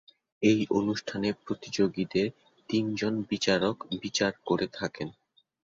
এই অনুষ্ঠানের প্রতিযোগীদের তিনজন বিচারক বিচার করে থাকেন।